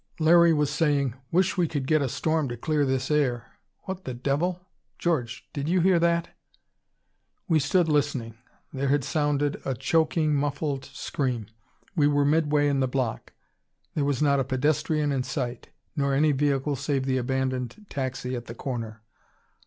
Larry was saying, "Wish we would get a storm to clear this air what the devil? George, did you hear that?" We stood listening. There had sounded a choking, muffled scream. We were midway in the block. There was not a pedestrian in sight, nor any vehicle save the abandoned taxi at the corner.